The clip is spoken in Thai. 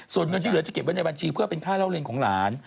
ส่วนเงินที่เหลือจะเก็บไว้ในบัญชีเพื่อเป็นค่าเล่าเรียนของหลาน